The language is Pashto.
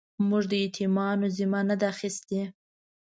موږ د يتيمانو ذمه نه ده اخيستې.